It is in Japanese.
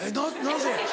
なぜ？